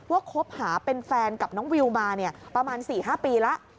คบหาเป็นแฟนกับน้องวิวมาประมาณ๔๕ปีแล้ว